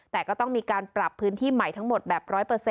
แต่ก็ต้องมีการปรับพื้นที่ใหม่ทั้งหมดแบบ๑๐๐